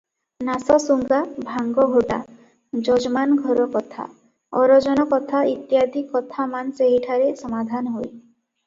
ନାସସୁଙ୍ଗା, ଭାଙ୍ଗ ଘୋଟା, ଯଜମାନ ଘର କଥା, ଅରଜନ କଥା ଇତ୍ୟାଦି କଥାମାନ ସେହିଠାରେ ସମାଧାନ ହୁଏ ।